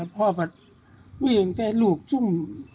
พ่อแบบวิ่งไปลูกเช่น